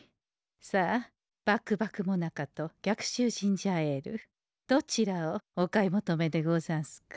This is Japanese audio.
さあ獏ばくもなかと逆襲ジンジャーエールどちらをお買い求めでござんすか？